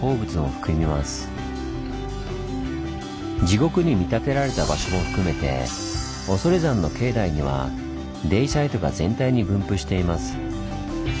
地獄に見立てられた場所も含めて恐山の境内にはデイサイトが全体に分布しています。